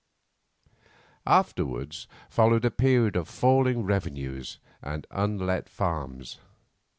Afterwards followed a period of falling revenues and unlet farms.